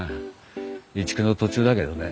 移築の途中だけどね。